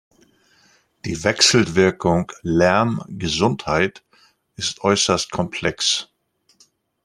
Die Wechselwirkung Lärm-Gesundheit ist äußerst komplex.